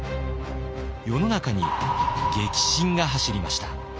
世の中に激震が走りました。